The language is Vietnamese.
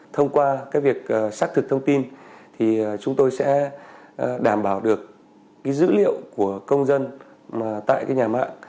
thông qua cái việc xác thực thông tin thì chúng tôi sẽ đảm bảo được dữ liệu của công dân tại nhà mạng